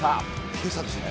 けさですね。